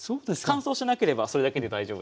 乾燥しなければそれだけで大丈夫です。